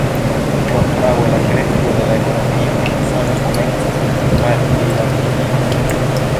Kontraŭe la kresko de la ekonomio en Usono komencas malplirapidiĝi.